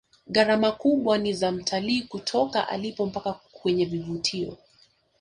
gharama kubwa ni za mtalii kutoka alipo mpaka kwenye vivutio